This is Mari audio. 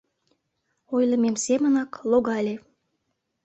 — Ойлымем семынак, логале...